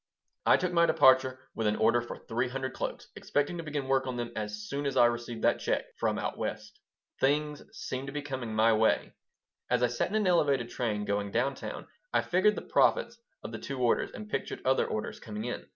I took my departure with an order for three hundred cloaks, expecting to begin work on them as soon as I received that check "from out West." Things seemed to be coming my way. As I sat in an Elevated train going down town I figured the profits on the two orders and pictured other orders coming in.